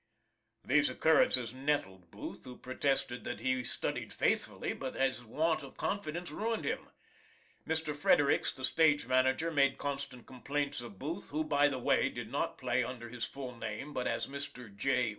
These occurrences nettled Booth, who protested that he studied faithfully but that his want of confidence ruined him. Mr. Fredericks the stage manager made constant complaints of Booth, who by the way, did not play under his full name, but as Mr. J.